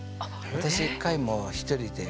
私１回も１人で。